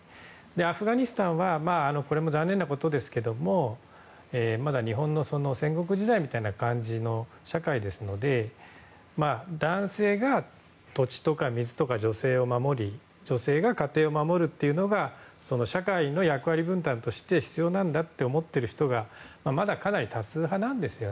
アフガニスタンはこれも残念なことなんですけどもまだ日本の戦国時代みたいな感じの社会ですので男性が土地とか水とか女性を守り女性が家庭を守るというのが社会の役割分担として必要なんだと思っている人がまだかなり多数派なんです。